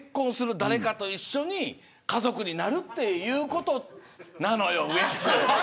誰かと一緒に家族になるということなのよウエンツ。